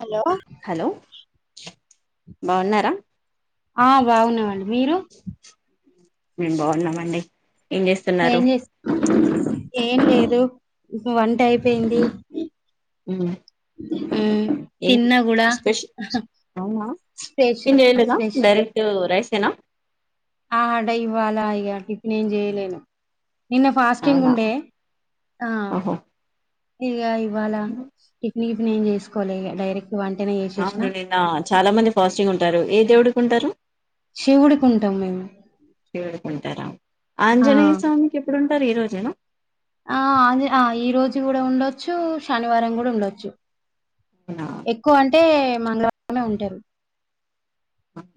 Hello hello బాగున్నారా ఆ బాగున్నామండి మీరు మేము బాగున్నామండి ఏం చేస్తున్నారు ఏం చేస్ ఏం లేదు వంట అయిపోయింది మ్ మ్మ్ తిన్న గుడా స్పెష అవునా టిఫిన్ చేయలేదు డైరెక్ట్ రైసేనా ఆ అంటే ఇవ్వాలా టిఫిన్ ఎం చేయలేను నిన్న ఫాస్టింగ్ అవునా ఉండే అ ఓహో ఇగ ఇవ్వాలా ఫిన్ ఎం చేసుకోలే ఇగ డైరెక్ట్ వంటనే అవును చేసేసినా నిన్న చాలా మంది ఫాస్టింగ్ ఉంటారు ఏ దేవుడికి ఉంటారు శివుడికి ఉంటాం మేము దేవుడికి ఉంటారా ఆ ఆంజనేయ స్వామికి ఎప్పుడు టర్ ఈ రోజేనా ఆ అద్ ఈ రోజు కూడా ఉండొచ్చు శనివారం కూడా ఉండొచ్చు అవునా ఎక్కువ అంటే మంగళవారమే ఉంటారు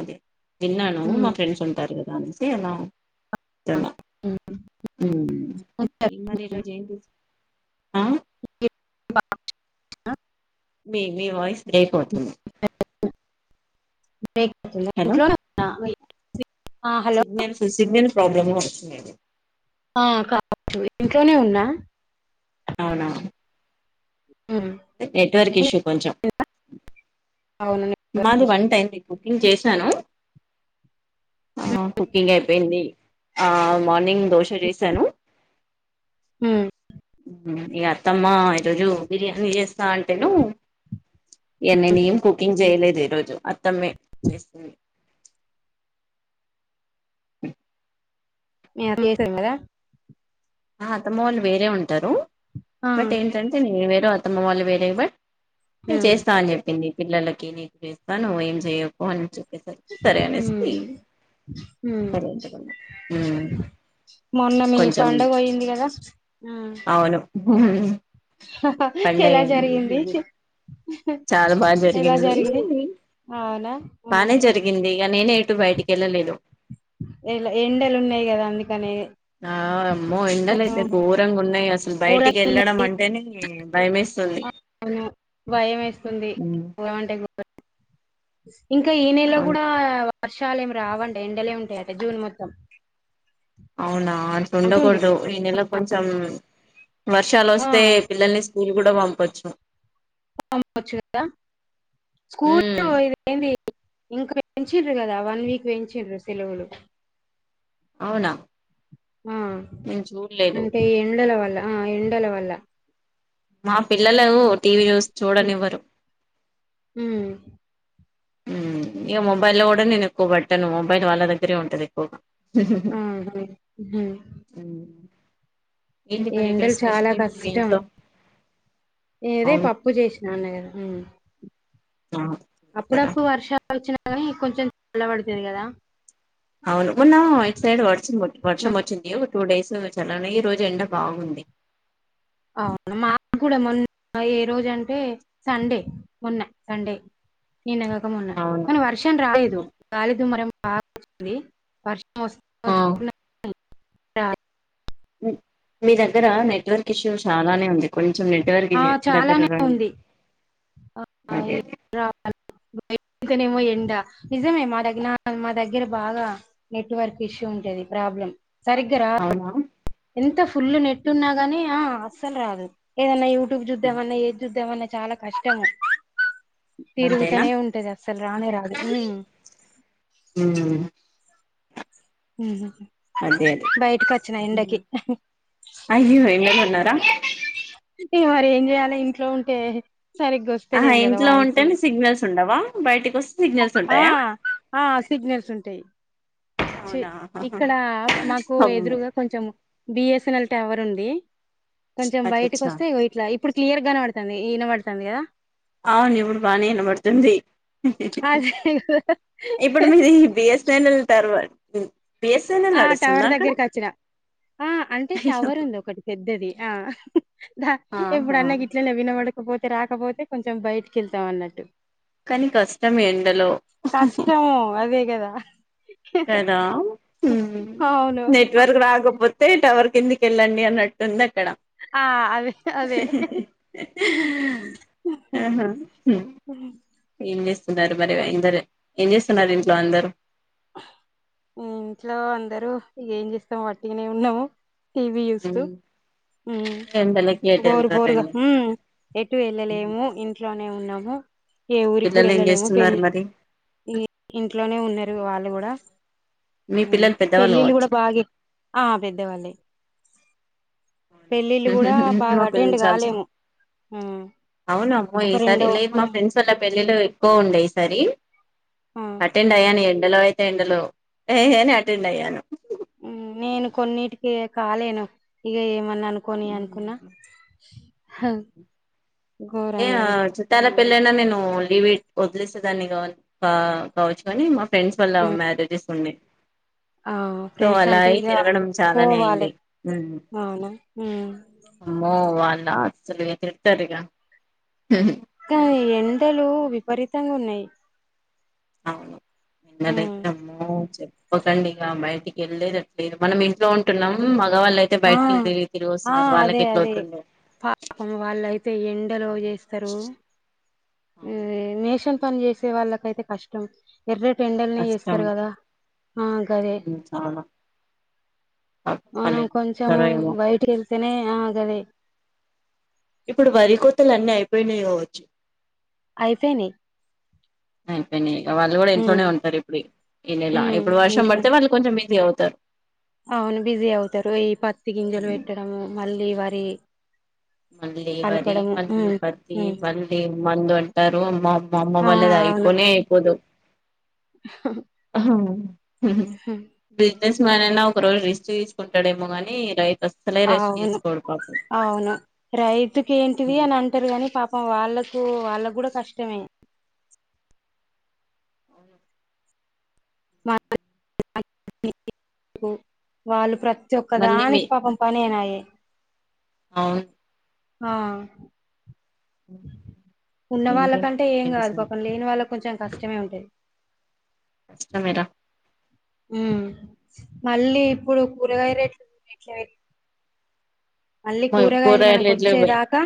అదే విన్నాను్ ఉమ్, మా ఫ్రెండ్స్ ఉంటారు కదా అనేసి అలా తున్న ఉమ్, ఈ మరి ఉంటారు. రోజు ఎం అ బా మీ మీ వాయిస్ బ్రేక్ అవుతుంది బ్రేక్ అవుతుందా హలో ఇంట్లోనే ఉన్న సిగ్నల్ సిగ్నల్ ప్రాబ్లమ్ కవచ్చ మెబి ఆ కావచ్చ ఇంట్లోనే ఉన్నా అవున ఉమ్. నెట్వర్క్ ఇష్యూ కొంచెం అవును మాది వంటైంది కుకింగ్ చేస్ సాను ఆ ఆ కుకింగ్ అయిపోయింది ఆ మార్నింగ్ దోశ చేసాను మ్ మ్ ఇగ అత్తమ్మా ఈరోోజు బిర్యానీ చేస్తా అంటేను ఇగ నేనేం కుకింగ్ చేయలేదు ఈ రోజు అత్తమ్మే చేసింది మీ చేసం కదా ఆ అత్తమ్మ వాళ్ళు వేరే ఉంటారు ఆ, బట్ ఏంటంటే నేను వేరు అత్తమ్మ వాళ్ళు వేరే బట్ ఉమ్, చేస్తా అని చెప్పింది పిల్లలకి నీకు ఇస్తాను నువ్వు ఏం చేయకు అని చెప్ప సరే ఉమ్, అనేస్తి ఉమ్. సరే అంత మొన్న మీ పండుగ పోయింది కదా ఉ ఉహ్ ఎలా జరిగింది చాలా బాగా ఎలా జరిగింది అవునా ఆ, బానే జరిగింది ఇక నేనే ఎటు బయటికి వెళ్ళలేదు ఎలా ఎండెలు ఉన్నాయి గదా అందుకనే ఆ అమ్మో ఎండల అయితే ఘోరంగా ఉన్నాయి అస్ బయటికి ఘోరంగా వెళ్ళడం ఉన్నాయి అంటేనే భయమేస్తుంది భయమైతుంది ఏమంటే ఇంకా ఈ నెల్లో అవును కూడా వర్షాలు ఏం రావండి ఎండలే ఉంటాయట జూన్ మొత్తం అవునా అట్లు అంటుండ్రు ఉండకూడదు ఈ నెల కొంచెం వర్షాలు ఆ వస్తే పిల్లల్ని స్కూల్ కూడా పంపచ్చు పంపచ్చు కదా స్కూల్ ఉమ్ పోయి ఏంది ఇంకా పెంచిర్రు కదా వన్ వీక్ పెంచిర్రు సెలవులు అవునా ఆ నేను చూడలేదు అంటే ఎండల వల్ల ఆ ఎండల వల్ల మా పిల్లలు టీవీ న్యూస్ ఉమ్ చూడనివ్వరు ఉమ్, ఇగ మొబైల్ లో కూడా నేను ఎక్కువ పట్టను మొబైల్ వాళ్ళ దగ్గరే ఉంటది ఎక్కువగా ఆవునా ఉ ఉమ్, ఏంటి ఈ మరి ఈరోజు ఎండలు చాలా స్పెషల్ ఏంటి మీ కష్టం ఇంట్లో ఏదే అవును పప్పు చేసినాన్నగద ఉ ఆ సరా అప్పుడప్పుడు వర్షాలు వచ్చినా కానీ కొంచెం చల్ల పడుతది కదా అవును మన్నా ఇటు సైడ్ వర్ష వర్షం ఉమ్, వచ్చింది టూ డేస్ చాల ఈ రోజు ఎండ బాగుంది అవును మాకు కూడా మొన్న ఏ రోజు అంటే సండే మొన్న సండే నిన్న కాక మొన్న అవును కానీ వర్షం రాలేదు రాలేదు మర బాంది వర్ష స్త ఆ వచ్ మీ దగ్గర నెట్వర్క్ ఇష్యూ చాలానే ఉంది కొంచెం నెట్వర్క్ ఆ దగ్గర చాలానే రాడి ఉంది అదే అ ఇంతనేమో ఎండ నిజమే మా దగ్గర మా దగ్గర బాగా నెట్వర్క్ ఇష్యూ ఉంటది ప్రాబ్లం సరిగ్గా రా అవునా ఎంత ఫుల్ నెట్ ఉన్నాగాని ఆ అస్సలు రాదు ఏదన్నా యూట్యూబ్ చూద్దామన్నా ఏది చూద్దామన్నా చాలా కష్టం అంతేనా తిరుగుతనే ఉంటది అస్సలు రానే రాదు ఊ ఉమ్ అదే అదే బయటకి వచ్చిన ఎండకి అయ్యో ఎండలో ఉన్నారా ఇగ మరి ఏం జేయాల ఇంట్లో ఉంటే సరిగ్గా ఆ ఒస్తలేదు కదా ఇంట్లో వాయిసు ఉంటేనే సిగ్నల్స్ ఉండవా బయటికి వస్ ఆ ఆ సిగ్నల్స్ ఉంటయ్ ఛీ అవునా ఇక్కడ మాకు ఎదురుగా కొంచెం బిఎస్ఎన్ఎల్ టవర్ ఉంది కొంచెం అచ్చచ్చ బయటకు వస్తే ఇట్లా ఇప్పుడు క్లియర్ కనపదతంది ఈయన సమీరా అవును ఇప్పుడు బానే వినబడుతుంది అదే కదా ఇప్పుడు మీరు బిఎస్ఎన్ఎల్ తర్వా బిఎస్ఎన్ఎల్ ఆ టవర్ నడుస్తుందా అక్కడ దగ్గరికి వచ్చిన ఆ అంటే అయ్యో టవర్ ఉంది ఒకటి పెద్దది ఆ ద ఆహా ఇప్పుడన్నా గిట్లనే వినబాడ కాకపోతే రాకపోతే కొంచెం బయటికెళ్తాం అన్నట్టు కానీ కష్టం ఎండలో కష్టము అదే కదా కదా అవును వొతే టవర్ కిందికి వెళ్ళండి అన్నట్టుంది క్కడ ఆ అదే అదే హా ఆహా ఏం చేస్తున్నారు మరి ఇందరు ఏం చేస్తున్నారు ఇంట్లో అందరు ఇంట్లో అందరుూ ఏం చేస్తాం వాట్టికనే ఉన్నాము టీవీ చూస్తూ ఎండలకి ఎటు బోరు బోరుగా వెళ్తారండి ఎటు వెళ్ళలేము ఇంట్లో నే ఉన్నాము ఏ ఊరికి కూడా పిల్లలు ఏం వెళ్ళలేము చేస్తున్నారు పెళ్ళి మరి ఈ ఇంట్లోనే ఉన్నారు వాళ్ళు కూడా మీ పిల్లలు పెద్దవాళ్ళు పెళ్ళిళ్ళు కూడా కావచ్చు బాగా ఆ పెద్దవాళ్ళే పెళ్ళిళ్ళు కూడా బాగా మాప్ప అటెండ్ చాలసి కాలేము మ్మ్ అవునమ్మో ఒక ఈసారి రెండో లేదు ఆ మా ఫ్రెండ్స్ వాళ్ల పెళ్ళిళ ఎక్కువ ఉండే ఈ సారి ఆ అటెండ్ అయ్యాను ఎండలో అయితే ఎండలో ఏహే అటెండ్ అయ్యాను నేను కొన్నిటికి కాలేను ఇక ఏ ఏమన్నా అనుకోని అనుకున్నా మ్మ్. ఎ ఘోరంగా ఆ ఇది చుట్టాలక్ పెళ్లైనా నేను లీవిట్ వదిలేసేదాన్ని కా కావచ్చు కాని మా ఫ్రెండ్స్ వల్ల ఆ మ్యారేజెస్ ఉన్నాయి ఆ సో ఫ్రెండ్స్ అంటే అలాగే ఇగ తిరగడం చాలానే పోవాలే అయింది అవునా ఉమ్ అమ్మో వాళ్ళ అసలు ఏదిరితారీగా కానీ ఎండలు విపరీతంగా ఉన్నాయి అవును ఉమ్ ఎండలైతే అమ్మో చె ఒకండిగా బయటికేళి లేదిట్లేదు మనం ఇంట్లో ఉంటున్నాం ఇకా వాళ్ళు అయితే ఆ బయటికి వెళ్ళిరిగి తిరిగి ఆ వస్తున్నారు వాళ్ళకి అదే ఎట్లా అదే అవుతుందొ అవ్ చేస్తారు ఇ అవును నేషన్ పని చేసే వాళ్ళకైతే కష్టం ఎర్రటి యేండ్లనే కష్టం చేస్తారు కదా ఆ గదే అవును చాలా పాపం వాళ్ళు మనం ఏం కొంచెము చేస్తారో ఏమో బయటి వెళ్తేనే ఆ గదే ఇప్పుడు వరి కోతలు అన్నీ అయిపోయినాయోవచ్చు అపేయినియ్ అపేయినియి ఇక వాళ్ళు కూడా ఇంట్లోనే ఉంటారు ఇప్పుడు ఈ నెలా ఉమ్ ఇప్పుడు వర్షం ఇంట్లో పడితే వాళ్ళు కొంచెం ఇజీ అవుతా తర్ అవును బిజీ అవుతారు ఈ పత్తి గింజలు హ్మ్. పెట్టడం మళ్ళీ వరి మళ్ళీ వరి అలకడము మళ్ళీ ఉమ్ పత్తి ఉమ్ మళ్ళీ మందంటారు అమ్ మాఅమ్మ ఆ వాళ్ళది అయిపోనే అయిపోదు హ హ హ బిజినెస్ మ్యాన్ అయినా ఒక రోజు రిస్క్ తీసుకుంటాడేమో కాని రైత్ అసలే రెస్ట్ అవును తీసుకోడు పాపం అవును రైతుకి ఏంటిది అని అంటారు గాని పాపం వాళ్ళకు వాళ్ళకు కూడా కష్టమే అవును [unintelligible] వాళ్ళు ప్ర క్కదా మళ్ళీ ఒకదాని కి పాపం పనేనాయే అవున్ ఆ ఉన్న ఇంకే మరి వాళ్ళకంటే ఏం ఇంకేంటి కాదు సంగతి పాపం లేని వాళ్ళ కొంచెం కష్టమే ఉంటది కష్టమే రా మ్ మళ్ళీ ఇప్పుడు కూరగాయల రేట్లు ఏట్లా పేర్ మళ్ళీ అమ్మో కూరగాయలు రేట్లు పె- మనకుొచ్చేదాకా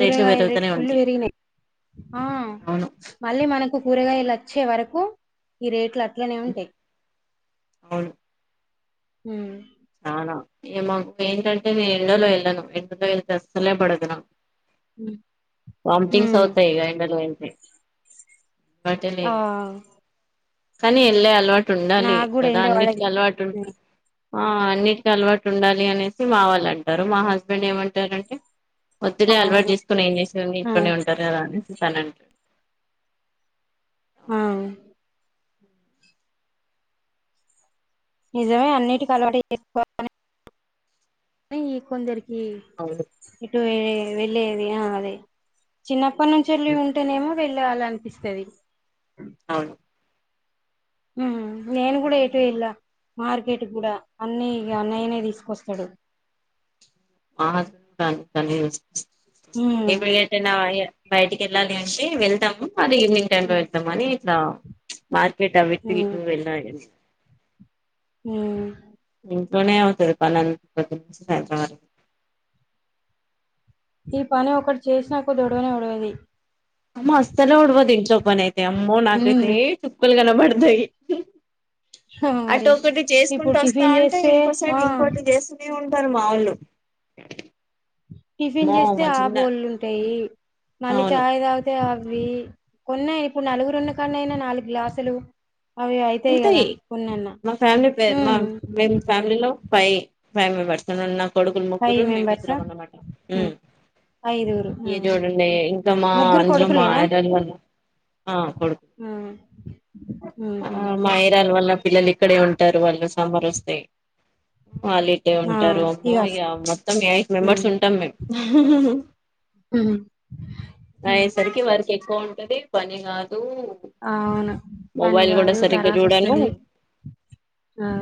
రేట్లు రెట్ పెరుగుతూనే ఫుల్ ఉంటాయి పేరిగినై ఆ అవును మళ్ళీ మనకు కూరగాయాలు ఆ చ్చే వరకు ఈ రేట్లు అట్లనే ఉంటాయి అవును మ్ చాలా ఇగ మాకు ఏంటంటే నేను ఎండలో వెళ్ళను ఎండలో వెళ్తే అస్సలే పడదు నాకు హ్మ్ వటింగ్స్అయితయి ఆ ఎండలో వెళ్తే అలవాటే ఆ లేదు కానీ వెళ్ళే అలవాటు ఉండాలి నాకు కూడా కదా ఎండ అన్నిటికీ పడది అలవాటు ఉం హ్మ్. ఆ అన్నిటికి అలవాటు ఉండాలి అనేసి మా వాళ్ళు అంటారు మా హస్బెండ్ ఏమంటారంటే వద్దులే అలవాటు అవును చేసుకుొని ఏం చేస్థింది ఆ ఇట్లోనే ఉంటారు కదా అనేసి చెప్ అంటాడు ఆ నిజమే అన్నింటికి అలవాటు చేసుకో [unintelligible] ఈ కొందరికి అవును అవును ఏటు వె వెళ్ళేది అది చిన్నప్ న్నప్పటి నుంచేళ్లిి ఉంటేనేమో వెళ్ళాలనిపిస్తది అవును మ్ నేను కూడా ఏటు వెళ్ళ మార్కెట్ కూడా అన్నీ అన్నయ్య నే తీసుకొస్తాడు మ హస్బెండ్ కుడా అన్ని హ్మ్ ఆయనే తీస్ [unintelligible] బయటికి వెళ్ళాలి అంటే వెళ్తాము అది ఈవినింగ్ టైమ్ లో హ్మ్ వెళ్తాము అది ఇట్లా మార్కెట్ కవిట్ విట్టు వెళ్ళాము లేండి మ్ ఇంట్లో అవుతాది పని అంత పొద్దున నుండి సాయంత్రం వరకు ఈ పని ఒకటి చేసినాకొద్ది ఓడవనే ఒడ్వది అమ్మో అస్సలే ఒడ్వది ఇంట్లో పని అయితే అమ్మో నకైతే హ్మ్ చుక్కలు కనిపడ్ పడుతాయి అటు మరి ఒకటి ఇప్పుడు చేసుకుంటు వస్తా టిఫిన్ ఉంటే చేస్తే ఇంకో సైడ్ ఆ ఇంకోటి చేస్తూనే ఉన్ టర్ మావొళ్ళు టిఫిన్ చేస్తే ఆ బోళ్లు ఉంటాయి మళ్లీ అవును చాయ్ తాగితే ఆ వి కొన్నా ఇప్పుడు నలుగురున్న కానైనా నాలుగు గ్లాసులు అవి అయితాయి కదా ఎల్తాయి కొన్నన్నా మా ఫ్యామిలీ పేరు మా ఉమ్ మేము ఫ్యామిలీలో ఫై ఫైవ్ మెంబర్స్ నా కొడుకులు ఫైవ్ ముగ్గురు మేము మెంబర్సా ఇద్దరం అన్నమాట మ్ ఉమ్ ఐదుగురు ఇగ ఉమ్ చుడండి ఇంకా మా ముగ్గురు ఇంట్లో మ యారాలు వాళ్ళు ఆ మ్ ఆ మా ఏరియా వల్ల పిల్లలు ఇక్కడే ఉంటారు వాళ్ళు సమ్మర్ వస్తే వాళ్ళు ఇటే ఆ ఉంటారు అమ్మో ఇగ మొత్తం ఎయిట్ మెంబర్స్ ఉమ్ ఉంటాం మేము ఉహు ఉమ్ అయేసరికి వర్క్ ఎక్కువ ఉంటది పని కా ఆవును పని కూడా కాదు సరిగ్గా చూడను తారసోస్తది ఆ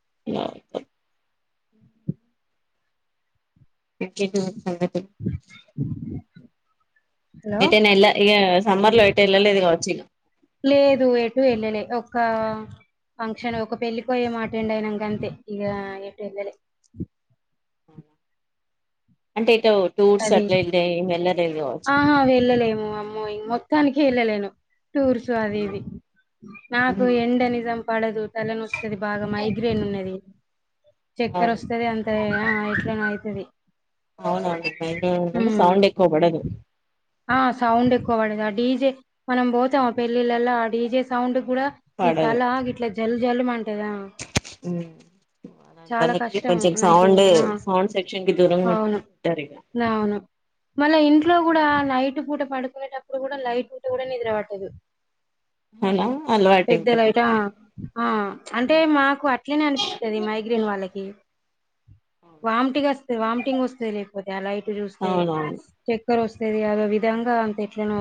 అ [unintelligible] ఇంకేంటివి సంగతి హలో ఎటైనా ఎల ఇగ సమ్మర్ లో ఎటు వెళ్ళలేదు కావచ్చు ఇగ లేదు ఎటు ఎల్లలే ఒకా ఫంక్షన్ ఒక పెళ్ళి పోయేమో అటెండ్ అయినం గంతే ఇగ ఎటు ఎళ్లలే అంటే ఇటు టూర్స్ అది అట్లా వెళ్ళ వెళ్ళలేదు కావచ్చు ఆహా వెళ్ళలేము అమ్మోయి మొత్తానిక్ ఎళ్లలేను టూర్స్ అది ఇది నాకు ఎండ నిజం పడదు తలనొస్తది బాగా మైగ్రేన్ ఉన్నది చక్కర్ అవును వస్తది అంత ఎ ఆ ఎట్లనో అయితది ఉ అవునవును సౌండ్ ఎక్కువ పడదు ఆ సౌండ్ ఎక్కువ పడద ఆ డీజే మనం పోతాం ఆ పెళ్లిళ్లల ఆ డీజే సౌండ్ కూడా ఈ పడదు తల ఇట్లా జల్ టదా అలాంటి చాలా వాళ్ళకి కష్టం కొంచెం నాకు సౌండ్ ఆ సౌండ్ సెక్షన్ కి దూరంగా ఉంటే అవును బెటర్ ఇగ నాను మళ్ల ఇంట్లో కూడా నైట్ పూట పడుకునేటప్పుడు కూడా లైట్ ఉంటే కూడా నిద్ర పట్టదు అవునా పెద్ద లైట్ ఆ ఆ అంటే మాకు అట్లనే అనిపిస్తది మైగ్రేన్ వాళ్ళకి వాంటిగాస్తు వాంటిింగ్ వస్తది లేకపోతే ఆ లైట్లు చూస్తే అవునవును చక్కర్ వస్తది ఆ విధంగా అంత ఎట్లానో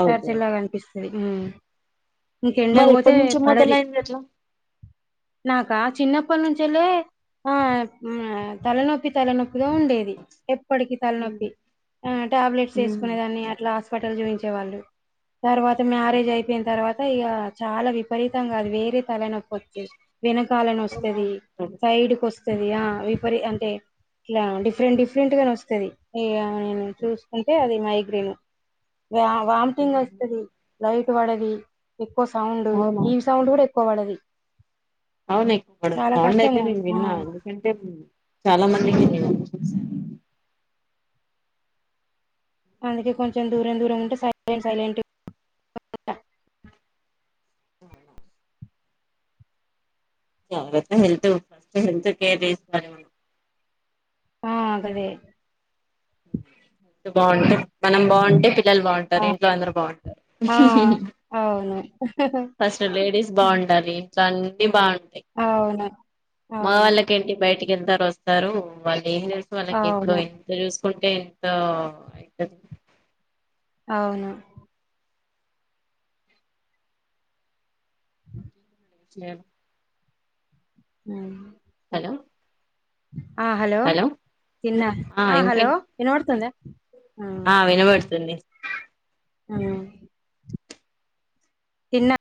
అవుతు అనిపిస్తది ఉ ఇంకే ఎండకు మరి పోతే ఎప్పటి నుంచి పడది మొదలైంది అట్లా నాకా చిన్నప్పటి నుంచేలే ఆ తలనొప్పి తలనొప్పి ప్పుడో ఉండేది ఎప్పటికి తలనొప్పి ఆ టాబ్లెట్స్ వేసుకునే దాన్ని అట్లా పటల్ చూయించేవాళ్లు తర్వాత మ్యారేజ్ అయిపోయిన తర్వా అ ఇగ చాలా విపరీతంగా అది వేరే తలనొప్పోచ్చేది వెనకాలనొస్తది సైడ్కి వస్తది ఆ విపరీ అంటే ఇట్లా డిఫరెంట్ డిఫరెంట్ గా నొస్తది ఇగ నేను చూసుకుంటే అది మైగ్రేన్ వా వాంతింగ్ వస్తది లైట్ పడది ఎక్కువ సౌండ్ అవునా ఇవ్ సౌండ్ కూడా ఎక్ క్కువ పడది అవును ఎక్ పడు చాలా సౌండ్ అయితే కష్టము నేను విన్నా ఎందుకంటే చాలా మంద్ హు సరే అందుకే కొంచెం దూరం దూరం ఉంటే సై సైలెంట్ ఆ [inaudible] లేతే హెల్త్ హెల్త్ కేర్ చేస్తరు ఆ గదే బాగుంటే మనం బాం పిల్లలు బాగుంటారు ఆ ఇంట్లో అందరు బాంటారు ఆ అవును ఫస్ట్ లేడీస్ బాగుండాలి ఇంట్లా అన్నీ బాన్ అవున మొగవాలకేంటి బయటికి వెళ్తారు వస్తారు వాళ్ళు ఏం చేస్త వాళ్ళకి ఇంట్లో అవును ఎంత చూ కుంటే ఎంత ఐతది అవును చెమ్ ఆ హలో ఆ హలో తిన్న ఆ హలో వినబతుందా ఆ వినబడుతుంది ఆ తిన్న